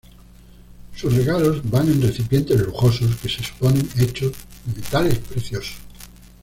Sus regalos van en recipientes lujosos que se suponen hechos de metales preciosos.